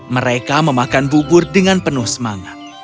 mereka memakan bubur dengan penuh semangat